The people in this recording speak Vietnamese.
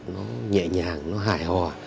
nó nhẹ nhàng nó hài hòa